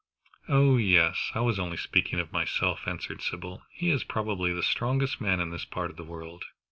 "Oh yes; I was only speaking of myself," answered Sybil. "He is probably the strongest man in this part of the world."